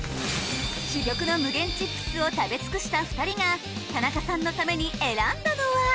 珠玉の無限チップスを食べ尽くした２人が田中さんのために選んだのは？